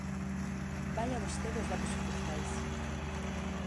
Vaia vostede aos datos oficiais.